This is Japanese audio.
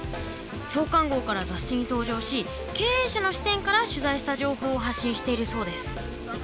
創刊号から雑誌に登場し経営者の視点から取材した情報を発信しているそうです。